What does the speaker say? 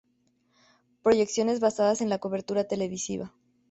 Proyecciones basadas en la cobertura televisiva.